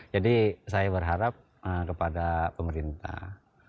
jadi saya berharap kepada pemerintah